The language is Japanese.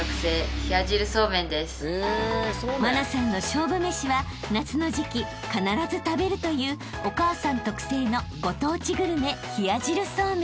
［茉奈さんの勝負めしは夏の時季必ず食べるというお母さん特製のご当地グルメ冷や汁そうめん］